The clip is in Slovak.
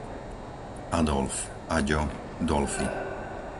Adolf, Aďo, Dolfi